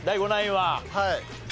はい。